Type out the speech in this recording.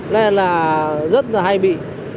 nên là rất là hay bị